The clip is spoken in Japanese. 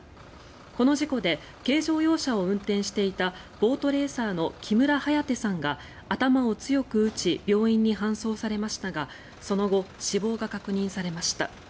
この事故で軽乗用車を運転していたボートレーサーの木村颯さんが頭を強く打ち病院に搬送されましたがその後、死亡が確認されました。